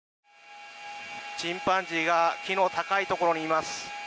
チンパンジーが木の高いところにいます。